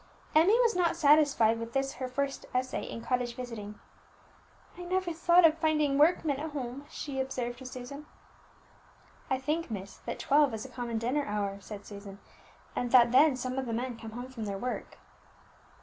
Emmie was not satisfied with this her first essay in cottage visiting. "I never thought of finding workmen at home," she observed to Susan. "I think, miss, that twelve is a common dinner hour," said Susan, "and that then some of the men come home from their work."